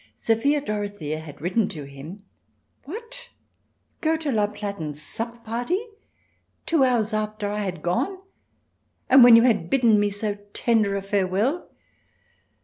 Sophia Dorothea had written to him :" What ? Go to La Platen's supper party two hours after I had gone, and when you had bidden me so tender a farewell